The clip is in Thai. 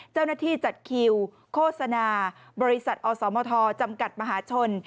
เจ้าหน้าที่จัดคิวโฆษณาบริษัทอสมทจำกัดมหาชน